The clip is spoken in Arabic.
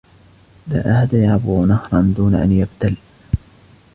لا أحد يعبر نهرا دون أن يبتل.